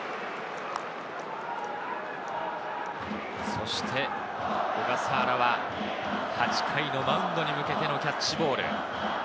そして小笠原は８回のマウンドに向けてのキャッチボール。